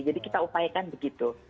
jadi kita upayakan begitu